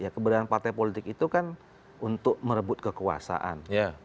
kebenaran partai politik itu kan untuk merebut kekuasaan